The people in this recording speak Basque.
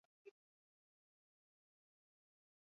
Trikuharriak eta kastro herrixka zaharrak eraiki zituzten.